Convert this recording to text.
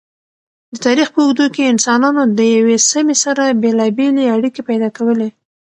د تاریخ په اوږدو کی انسانانو د یوی سمی سره بیلابیلی اړیکی پیدا کولی